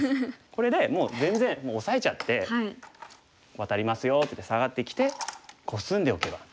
これでもう全然オサえちゃってワタりますよって言ってサガってきてコスんでおけば。